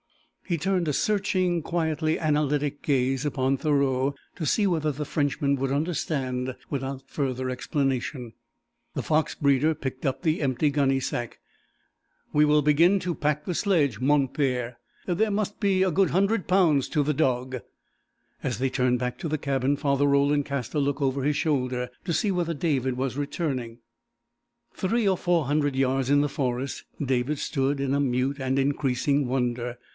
He turned a searching, quietly analytic gaze upon Thoreau to see whether the Frenchman would understand without further explanation. The fox breeder picked up the empty gunny sack. "We will begin to pack the sledge, mon Père. There must be a good hundred pounds to the dog." As they turned back to the cabin Father Roland cast a look over his shoulder to see whether David was returning. Three or four hundred yards in the forest David stood in a mute and increasing wonder.